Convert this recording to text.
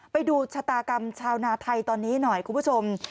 ไปดูชะตากรรมชาวนาไทยตอนนี้หน่อยคุณผู้ชม